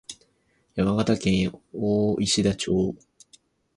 山形県大石田町